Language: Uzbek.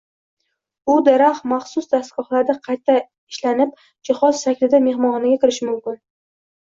U daraxt maxsus dastgohlarda qayta nshlanib, jihoz shaklida mehmonxonaga kirishi mumkin.